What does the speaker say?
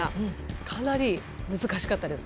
かなり難しかったです。